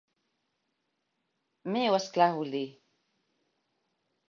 Meu, és clar, vull dir.